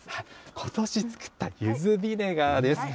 ことし作ったゆずビネガーです。